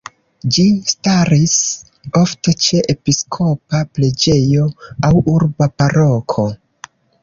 Ĝi staris ofte ĉe episkopa preĝejo aŭ urba paroko.